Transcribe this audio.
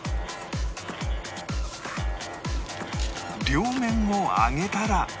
両面を揚げたら